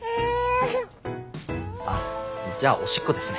あっじゃあおしっこですね。